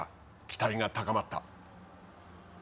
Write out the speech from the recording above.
期待が高まった。